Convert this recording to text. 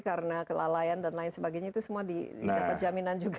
karena kelalaian dan lain sebagainya itu semua didapat jaminan juga